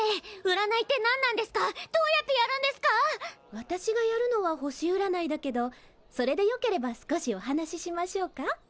私がやるのは星うらないだけどそれでよければ少しお話ししましょうか？